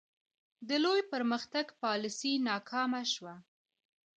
د لوی پرمختګ پالیسي ناکامه شوه.